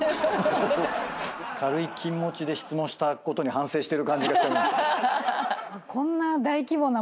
軽い気持ちで質問したことに反省してる感じがしてる。